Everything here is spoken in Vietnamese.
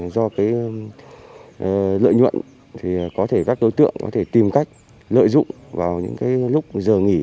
do lợi nhuận các đối tượng có thể tìm cách lợi dụng vào những lúc giờ nghỉ